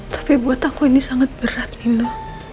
tapi buat aku ini sangat berat minum